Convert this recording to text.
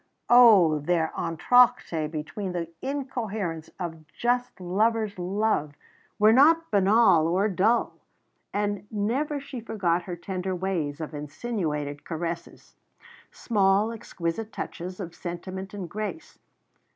Oh! their entr'actes between the incoherence of just lovers' love were not banal or dull. And never she forgot her tender ways of insinuated caresses small exquisite touches of sentiment and grace.